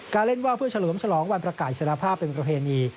เล่นว่าวเพื่อเฉลิมฉลองวันประกาศอิสระภาพเป็นประเพณี